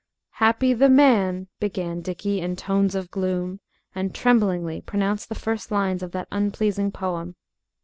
"'Happy the man,'" began Dickie, in tones of gloom, and tremblingly pronounced the first lines of that unpleasing poem.